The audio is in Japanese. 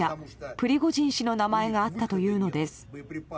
プリゴジン氏の名前があったというのです。